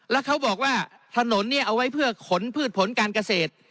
แล้วเขาบอกว่าถนนเนี่ยเอาไว้เพื่อขนพืชผลการเกษตร